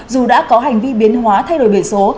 dù đã có hành vi biến hóa thay đổi biển số